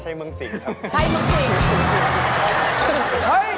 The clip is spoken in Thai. ชัยเมืองสิงครับเขื่อนนี้สิโอ้โฮ